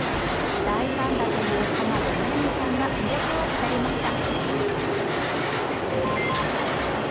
大ファンだという浜辺美波さんが魅力を語りました。